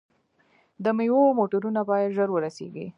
د میوو موټرونه باید ژر ورسیږي.